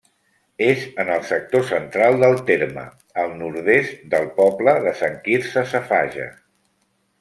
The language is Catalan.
És en el sector central del terme, al nord-est del poble de Sant Quirze Safaja.